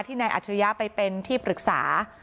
นายอัจฉริยะไปเป็นที่ปรึกษา